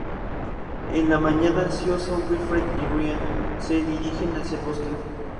En la mañana, un ansioso Wilfred y Ryan se dirigen hacia el bosque.